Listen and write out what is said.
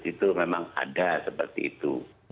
itu memang ada seperti itu